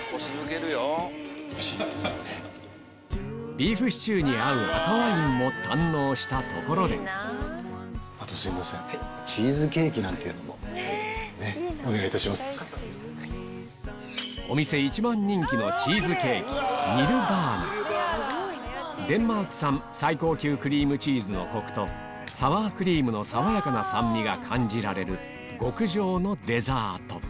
ビーフシチューに合う赤ワインも堪能したところでデンマーク産最高級クリームチーズのコクとサワークリームの爽やかな酸味が感じられる極上のデザート